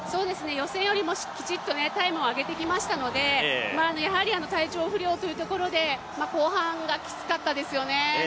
予選よりもきちっとタイムを上げてきましたのでやはり体調不良というところで後半がきつかったですよね。